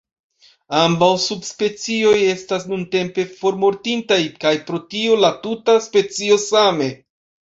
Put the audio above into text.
Ambaŭ subspecioj estas nuntempe formortintaj kaj pro tio la tuta specio same.